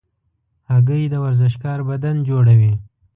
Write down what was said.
هګۍ د ورزشکار بدن جوړوي.